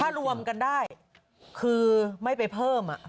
ถ้ารวมกันได้คือไม่ไปเพิ่ม